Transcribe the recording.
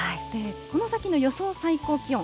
この先の予想最高気温。